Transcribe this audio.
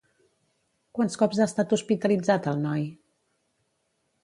Quants cops ha estat hospitalitzat el noi?